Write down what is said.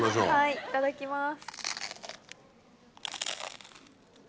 はいいただきます。